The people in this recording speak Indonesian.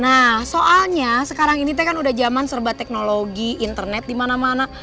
nah soalnya sekarang ini teh kan udah zaman serba teknologi internet di mana mana